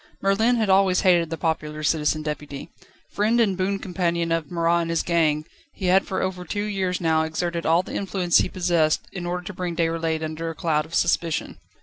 Merlin had always hated the popular Citizen Deputy. Friend and boon companion of Marat and his gang, he had for over two years now exerted all the influence he possessed in order to bring Déroulède under a cloud of suspicion.